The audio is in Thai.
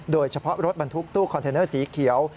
โดยเฉพาะรถบรรทุกตู้คอนเทนเนอร์สีเขียว